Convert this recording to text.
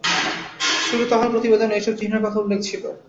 সুরতহাল প্রতিবেদনেও এসব চিহ্নের কথা উল্লেখ ছিল।